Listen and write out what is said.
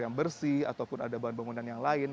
yang bersih ataupun ada bahan bangunan yang lain